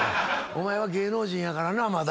お前は芸能人やからなまだ。